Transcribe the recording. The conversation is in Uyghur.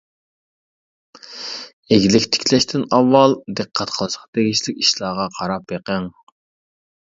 ئىگىلىك تىكلەشتىن ئاۋۋال دىققەت قىلىشقا تېگىشلىك ئىشلارغا قاراپ بېقىڭ.